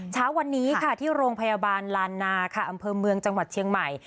เช้าวันนี้ค่ะที่โรงพยาบาลลานนาค่ะอำเภอเมืองจังหวัดเชียงใหม่